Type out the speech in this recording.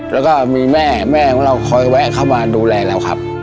แล้วก็มีแม่แม่ของเราคอยแวะเข้ามาดูแลเราครับ